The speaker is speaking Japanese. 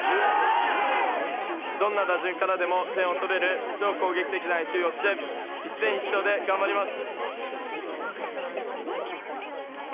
どんな打順からでも点を取れる超攻撃的な野球をして一戦必勝で頑張ります。